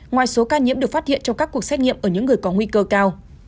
ngoài số ca nhiễm được phát hiện trong các cuộc xét nghiệm ở những người có nguy cơ cao